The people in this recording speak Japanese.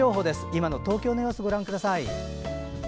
今の東京の様子ご覧ください。